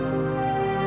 aku sudah lebih